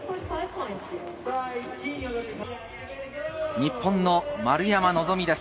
日本の丸山希です。